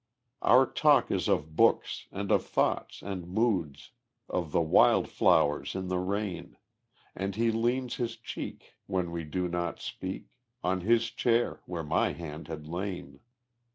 Our talk is of books, and of thoughts and moods, Of the wild flowers in the rain; And he leans his cheek, when we do not speak, On his chair where my hand had lain.